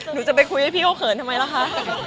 หนูจะไปคุยให้พี่เขาเขินทำไมล่ะคะ